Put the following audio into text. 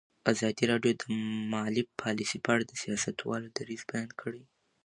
ازادي راډیو د مالي پالیسي په اړه د سیاستوالو دریځ بیان کړی.